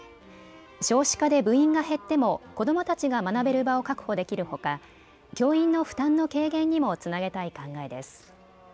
少子化で部員が減っても子どもたちが学べる場を確保できるほか、教員の負担の軽減にもつなげたい考えです。